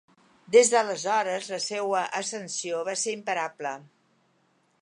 Des d'aleshores, la seua ascensió va ser imparable.